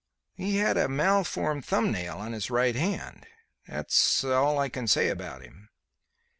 "He had a malformed thumb nail on his right hand. That is all I can say about him."